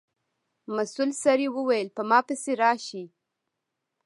مسؤل سړي و ویل په ما پسې راشئ.